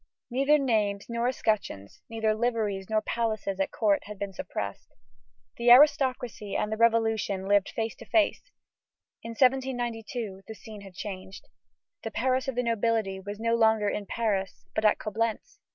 Neither names nor escutcheons, neither liveries nor places at court, had been suppressed. The aristocracy and the Revolution lived face to face. In 1792, the scene has changed. The Paris of the nobility is no longer in Paris, but at Coblentz.